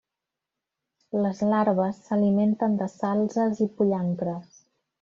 Les larves s'alimenten de salzes i pollancres.